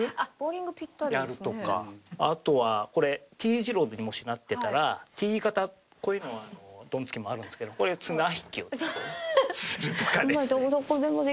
あとはこれ丁字路にもしなってたら丁型こういうドンツキもあるんですけどここで綱引きをするとかですね。